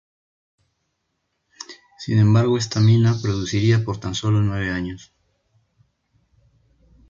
Sin embargo, esta mina produciría por tan solo nueve años.